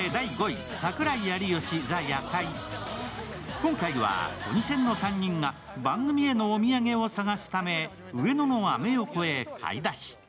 今回はトニセンの３人が番組へのお土産を探すため上野のアメ横へ買い出し。